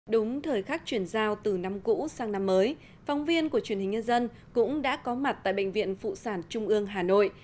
đúng thời khắc chuyển giao từ năm cũ sang năm mới phóng viên của truyền hình nhân dân cũng đã có mặt tại bệnh viện phụ sản trung ương hà nội